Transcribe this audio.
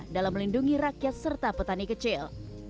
dalam melindungi rakyat serta petani kecil